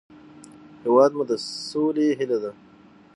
هېواد مو د سولې هیله ده